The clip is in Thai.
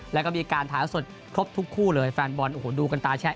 แล้วก็มีการถ่ายสดครบทุกคู่เลยแฟนบอลโอ้โหดูกันตาแชะ